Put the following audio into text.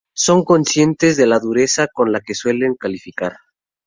son conscientes de la dureza con la que suelen calificar